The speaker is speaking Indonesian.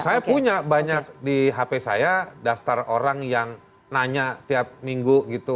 saya punya banyak di hp saya daftar orang yang nanya tiap minggu gitu